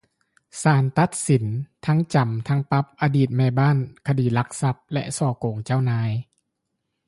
ສານຕັດສິນທັງຈຳທັງປັບອະດີດແມ່ບ້ານຄະດີລັກຊັບ ແລະ ສໍ້ໂກງເຈົ້ານາຍ